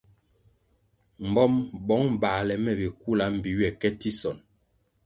Mbom, bong bale me bikula mbpi ywe ke tisonʼ.